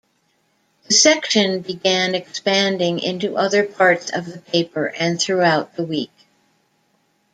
The section began expanding into other parts of the paper and throughout the week.